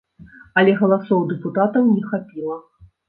Але галасоў дэпутатаў не хапіла.